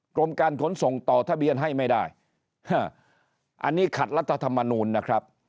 กรมการขนส่งต่อทะเบียนให้ไม่ได้อันนี้ขัดรัฐธรรมนูลนะครับ